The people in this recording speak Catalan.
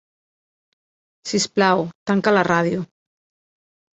Sisplau, tanca la ràdio.